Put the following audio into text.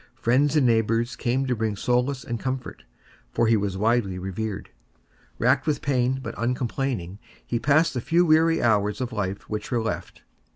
Friends and neighbours came to bring solace and comfort, for he was widely revered. Racked with pain, but uncomplaining, he passed the few weary hours of life which were left.